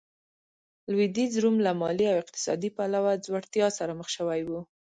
لوېدیځ روم له مالي او اقتصادي پلوه ځوړتیا سره مخ شوی و.